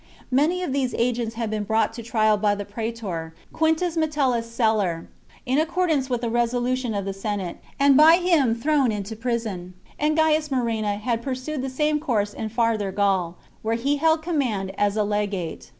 Many of these .\ agents had been brought to trial by the praetor, 'Quintus Metellus Celer, in accordance with a resolu tion of the Senate, and by him thrown into prison, and Gaius Murena had pursued the same course in Farther Gaul, where he held command as a legate.